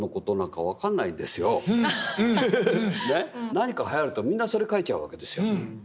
何かはやるとみんなそれ描いちゃうわけですよ。